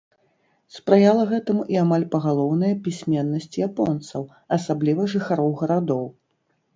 Спрыяла гэтаму і амаль пагалоўная пісьменнасць японцаў, асабліва жыхароў гарадоў.